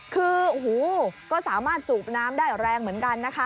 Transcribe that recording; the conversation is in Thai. คือโอ้โหก็สามารถสูบน้ำได้แรงเหมือนกันนะคะ